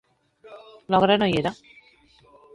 L'ogre no hi era.